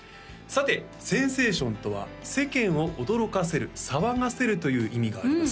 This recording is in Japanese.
さてセンセーションとは世間を驚かせる騒がせるという意味があります